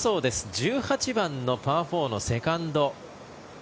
１８番のパー４のセカンド。